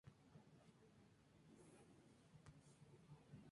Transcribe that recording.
Al final de su mandato, su fortuna personal ascendía a varios millones de pesos.